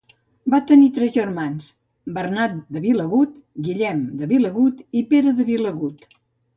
Va tenir tres germans, Bernat de Vilagut, Guillem de Vilagut i Pere de Vilagut.